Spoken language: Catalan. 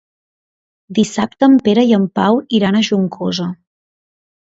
Dissabte en Pere i en Pau iran a Juncosa.